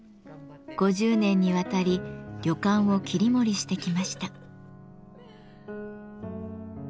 ５０年にわたり旅館を切り盛りしてきました。